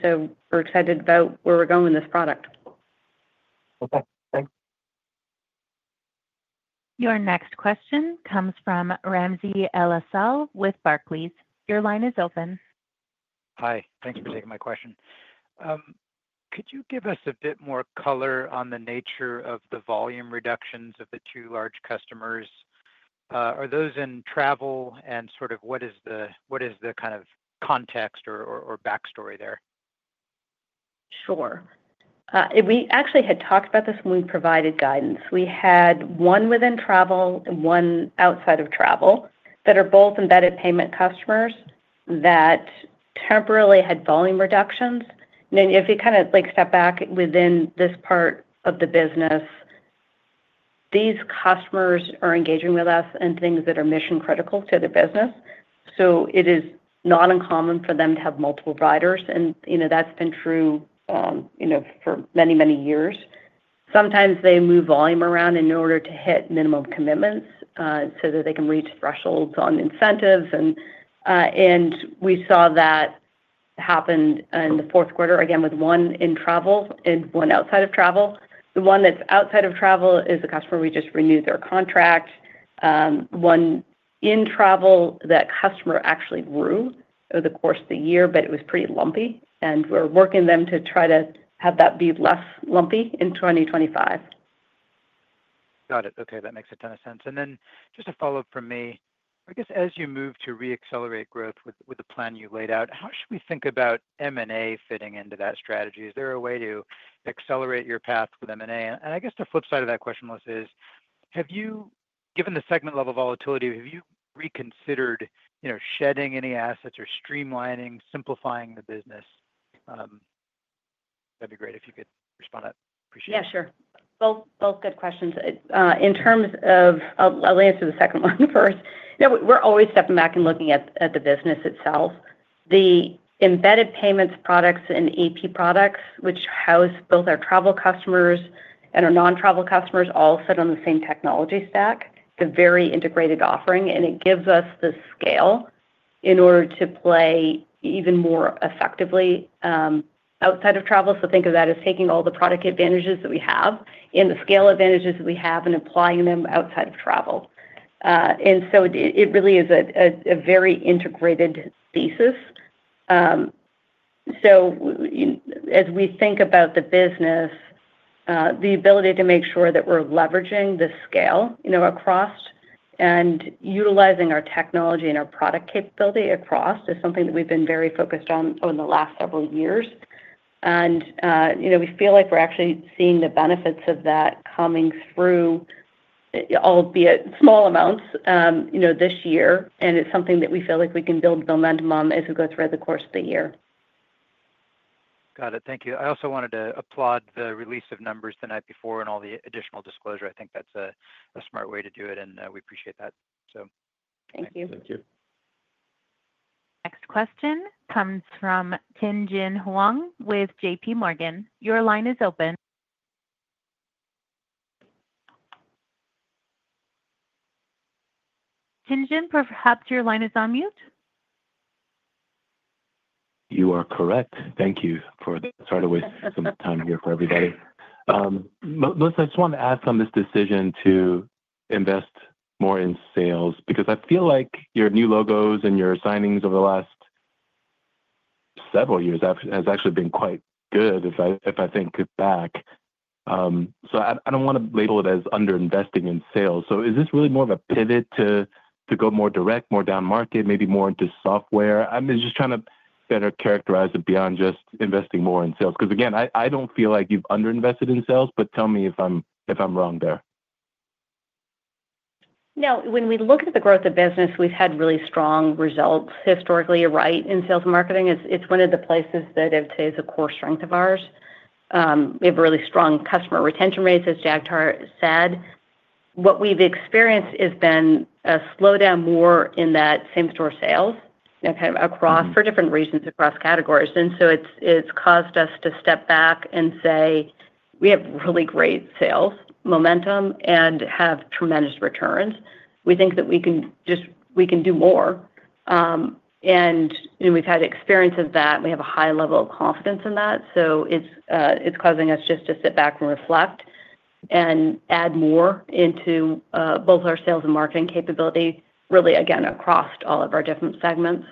so we're excited about where we're going with this product. Okay. Thanks. Your next question comes from Ramsey El-Assal with Barclays. Your line is open. Hi. Thanks for taking my question. Could you give us a bit more color on the nature of the volume reductions of the two large customers? Are those in travel and sort of what is the kind of context or backstory there? Sure. We actually had talked about this when we provided guidance. We had one within travel and one outside of travel that are both Embedded Payment customers that temporarily had volume reductions. And if you kind of step back within this part of the business, these customers are engaging with us in things that are mission-critical to their business. So it is not uncommon for them to have multiple riders. And that's been true for many, many years. Sometimes they move volume around in order to hit minimum commitments so that they can reach thresholds on incentives. And we saw that happen in the fourth quarter, again, with one in travel and one outside of travel. The one that's outside of travel is a customer we just renewed their contract. One in travel that customer actually grew over the course of the year, but it was pretty lumpy. And we're working them to try to have that be less lumpy in 2025. Got it. Okay. That makes a ton of sense. And then just a follow-up from me. I guess as you move to re-accelerate growth with the plan you laid out, how should we think about M&A fitting into that strategy? Is there a way to accelerate your path with M&A? And I guess the flip side of that question, Melissa, is given the segment level volatility, have you reconsidered shedding any assets or streamlining, simplifying the business? That'd be great if you could respond to that. Appreciate it. Yeah, sure. Both good questions. In terms of, I'll answer the second one first. We're always stepping back and looking at the business itself. The embedded payments products and EP products, which house both our travel customers and our non-travel customers, all sit on the same technology stack. It's a very integrated offering, and it gives us the scale in order to play even more effectively outside of travel. So think of that as taking all the product advantages that we have and the scale advantages that we have and applying them outside of travel. And so it really is a very integrated thesis. So as we think about the business, the ability to make sure that we're leveraging the scale across and utilizing our technology and our product capability across is something that we've been very focused on over the last several years. And we feel like we're actually seeing the benefits of that coming through, albeit small amounts, this year. It's something that we feel like we can build momentum on as we go throughout the course of the year. Got it. Thank you. I also wanted to applaud the release of numbers the night before and all the additional disclosure. I think that's a smart way to do it, and we appreciate that, so. Thank you. Thank you. Next question comes from Tien-tsin Huang with J.P. Morgan. Your line is open. Tien-tsin, perhaps your line is on mute. You are correct. Thank you for sort of wasting some time here for everybody. Melissa, I just wanted to add from this decision to invest more in sales because I feel like your new logos and your signings over the last several years have actually been quite good if I think back. So I don't want to label it as under-investing in sales. So is this really more of a pivot to go more direct, more down market, maybe more into software? I'm just trying to better characterize it beyond just investing more in sales. Because again, I don't feel like you've under-invested in sales, but tell me if I'm wrong there. Now, when we look at the growth of business, we've had really strong results historically, right, in sales and marketing. It's one of the places that is a core strength of ours. We have really strong customer retention rates, as Jagtar said. What we've experienced has been a slowdown more in that same-store sales across for different reasons across categories. And so it's caused us to step back and say, "We have really great sales momentum and have tremendous returns. We think that we can do more." And we've had experience of that. We have a high level of confidence in that. So it's causing us just to sit back and reflect and add more into both our sales and marketing capability, really, again, across all of our different segments.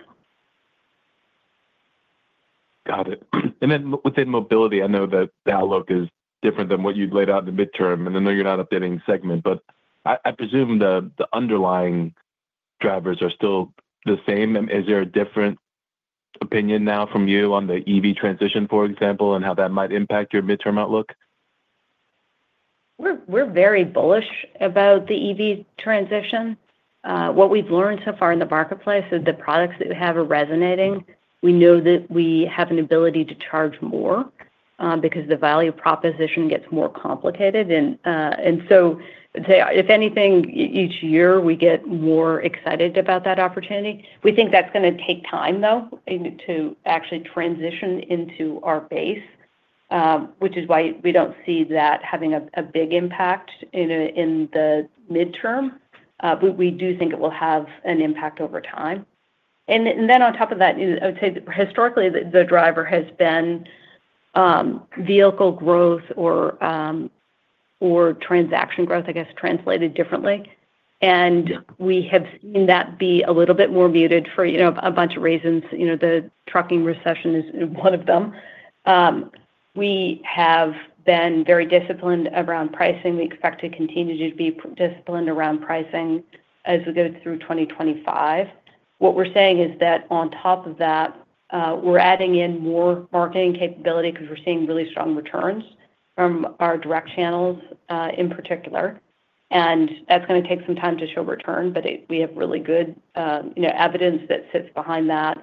Got it. And then within Mobility, I know that the outlook is different than what you'd laid out in the midterm. And I know you're not updating the segment, but I presume the underlying drivers are still the same. Is there a different opinion now from you on the EV transition, for example, and how that might impact your midterm outlook? We're very bullish about the EV transition. What we've learned so far in the marketplace is the products that have a resonating. We know that we have an ability to charge more because the value proposition gets more complicated. And so if anything, each year, we get more excited about that opportunity. We think that's going to take time, though, to actually transition into our base, which is why we don't see that having a big impact in the midterm. But we do think it will have an impact over time. And then on top of that, I would say historically, the driver has been vehicle growth or transaction growth, I guess, translated differently. And we have seen that be a little bit more muted for a bunch of reasons. The trucking recession is one of them. We have been very disciplined around pricing. We expect to continue to be disciplined around pricing as we go through 2025. What we're saying is that on top of that, we're adding in more marketing capability because we're seeing really strong returns from our direct channels in particular. And that's going to take some time to show return, but we have really good evidence that sits behind that.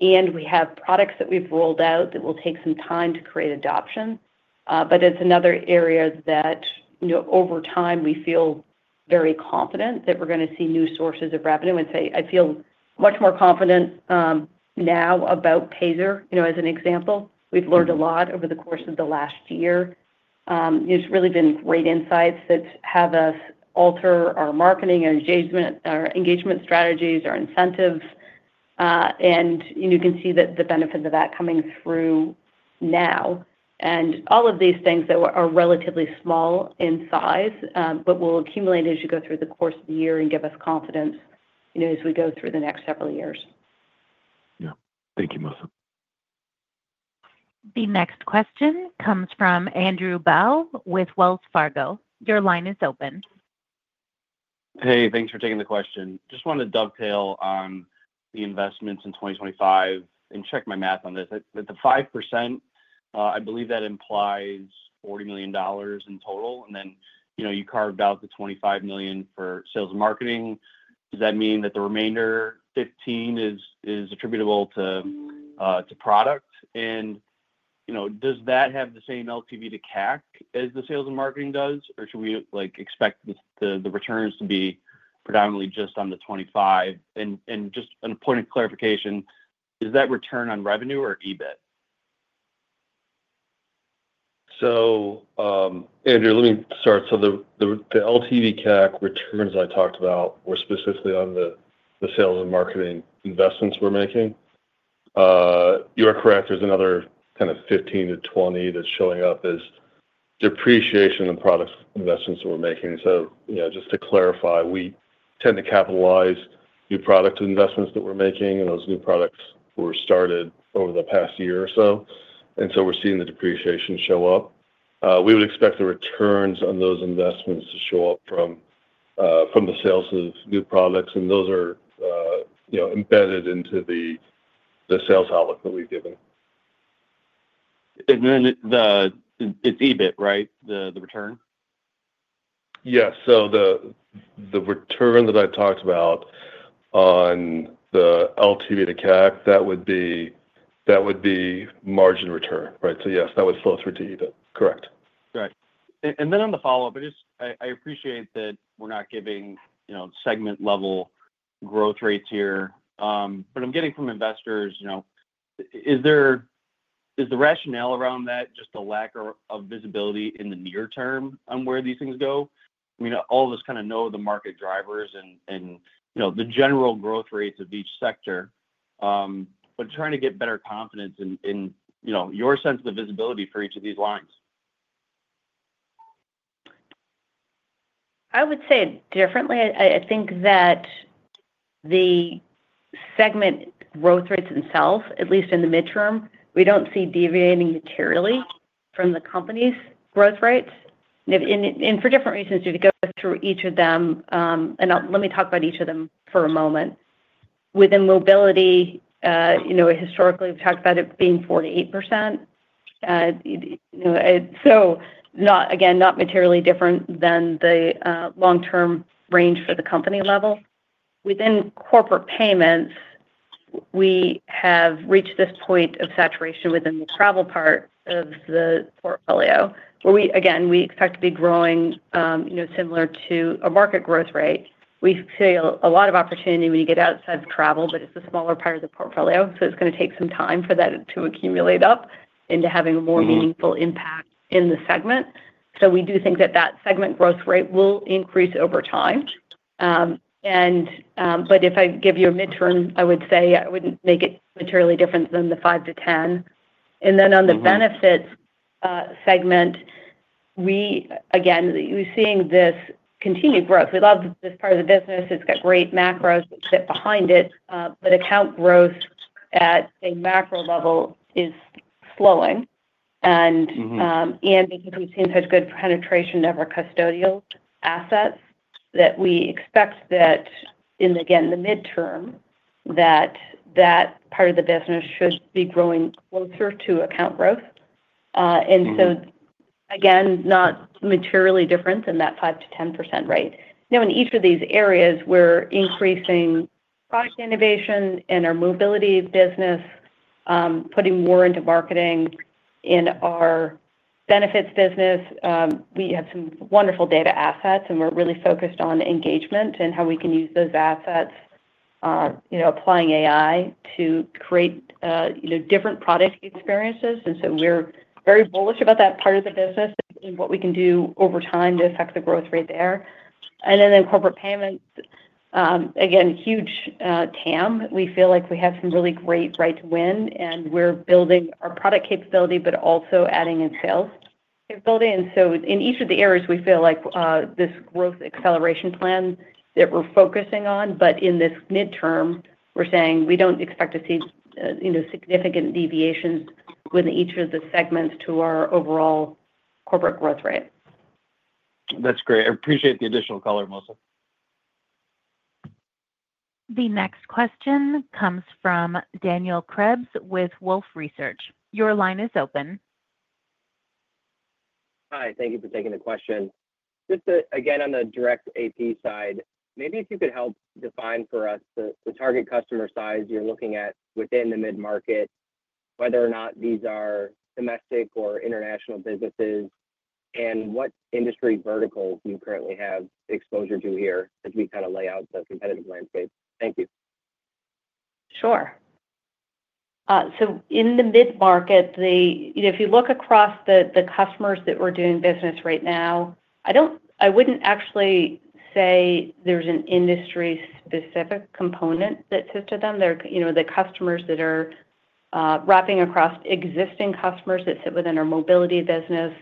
And we have products that we've rolled out that will take some time to create adoption. But it's another area that over time, we feel very confident that we're going to see new sources of revenue. And I feel much more confident now about Payzer, as an example. We've learned a lot over the course of the last year. It's really been great insights that have us alter our marketing engagement strategies, our incentives. And you can see the benefit of that coming through now. And all of these things that are relatively small in size, but will accumulate as you go through the course of the year and give us confidence as we go through the next several years. Yeah. Thank you, Melissa. The next question comes from Andrew Bauch with Wells Fargo. Your line is open. Hey, thanks for taking the question. Just wanted to dovetail on the investments in 2025. And check my math on this. At the 5%, I believe that implies $40 million in total. And then you carved out the $25 million for sales and marketing. Does that mean that the remainder $15 million is attributable to product? And does that have the same LTV to CAC as the sales and marketing does? Or should we expect the returns to be predominantly just on the $25 million? And just a point of clarification, is that return on revenue or EBIT? So, Andrew, let me start. So the LTV CAC returns I talked about were specifically on the sales and marketing investments we're making. You're correct. There's another kind of 15-20 that's showing up as depreciation and product investments that we're making. So just to clarify, we tend to capitalize new product investments that we're making. And those new products were started over the past year or so. And so we're seeing the depreciation show up. We would expect the returns on those investments to show up from the sales of new products. And those are embedded into the sales outlook that we've given. And then it's EBIT, right, the return? Yes. So the return that I talked about on the LTV to CAC, that would be margin return, right? So yes, that would flow through to EBIT. Correct. Correct. And then on the follow-up, I appreciate that we're not giving segment-level growth rates here. But I'm getting from investors, is the rationale around that just a lack of visibility in the near term on where these things go? I mean, all of us kind of know the market drivers and the general growth rates of each sector. But trying to get better confidence in your sense of the visibility for each of these lines. I would say differently. I think that the segment growth rates themselves, at least in the midterm, we don't see deviating materially from the company's growth rates. And for different reasons, you'd go through each of them. And let me talk about each of them for a moment. Within Mobility, historically, we've talked about it being 48%. So again, not materially different than the long-term range for the company level. Within Corporate Payments, we have reached this point of saturation within the travel part of the portfolio, where again, we expect to be growing similar to a market growth rate. We see a lot of opportunity when you get outside of travel, but it's a smaller part of the portfolio. So it's going to take some time for that to accumulate up into having a more meaningful impact in the segment. So we do think that that segment growth rate will increase over time. But if I give you a midterm, I would say I wouldn't make it materially different than the 5%-10%. And then on the Benefits segment, again, we're seeing this continued growth. We love this part of the business. It's got great macros that sit behind it. But account growth at a macro level is slowing. Because we've seen such good penetration of our custodial assets, that we expect that in, again, the midterm, that that part of the business should be growing closer to account growth. And so, again, not materially different than that 5%-10% rate. Now, in each of these areas, we're increasing product innovation in our Mobility business, putting more into marketing in our benefits business. We have some wonderful data assets, and we're really focused on engagement and how we can use those assets, applying AI to create different product experiences. And so we're very bullish about that part of the business and what we can do over time to affect the growth rate there. And then in Corporate Payments, again, huge TAM. We feel like we have some really great right to win, and we're building our product capability, but also adding in sales capability. And so in each of the areas, we feel like this growth acceleration plan that we're focusing on. But in this midterm, we're saying we don't expect to see significant deviations within each of the segments to our overall corporate growth rate. That's great. I appreciate the additional color, Melissa. The next question comes from Daniel Krebs with Wolfe Research. Your line is open. Hi. Thank you for taking the question. Just again, on the direct AP side, maybe if you could help define for us the target customer size you're looking at within the mid-market, whether or not these are domestic or international businesses, and what industry verticals you currently have exposure to here as we kind of lay out the competitive landscape. Thank you. Sure. So in the mid-market, if you look across the customers that we're doing business right now, I wouldn't actually say there's an industry-specific component that sits to them. They're the customers that are wrapping across existing customers that sit within our Mobility business,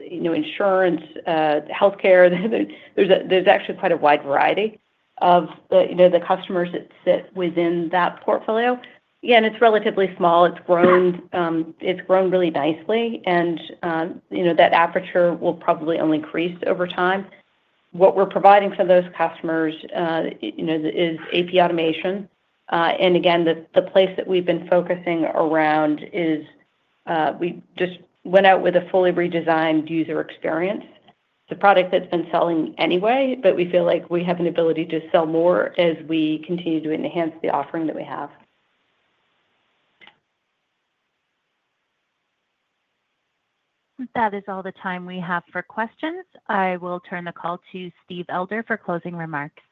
insurance, healthcare. There's actually quite a wide variety of the customers that sit within that portfolio. Again, it's relatively small. It's grown really nicely. And that aperture will probably only increase over time. What we're providing for those customers is AP automation. And again, the place that we've been focusing around is we just went out with a fully redesigned user experience, the product that's been selling anyway, but we feel like we have an ability to sell more as we continue to enhance the offering that we have. That is all the time we have for questions. I will turn the call to Steve Elder for closing remarks.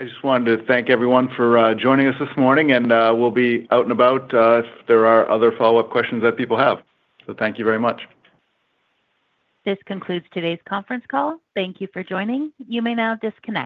I just wanted to thank everyone for joining us this morning. And we'll be out and about if there are other follow-up questions that people have. So thank you very much. This concludes today's conference call. Thank you for joining. You may now disconnect.